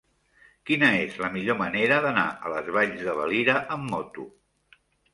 Quina és la millor manera d'anar a les Valls de Valira amb moto?